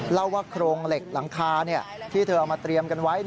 เล่าว่าโครงเหล็กหลังคาที่เธอเอามาเตรียมกันไว้